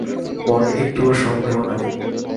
মনে একটুও সন্দেহ নাই।